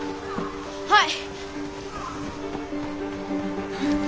はい！